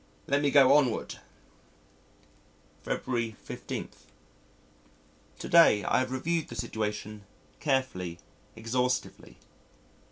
Let me go onward. February 15. To day I have reviewed the situation carefully, exhaustively.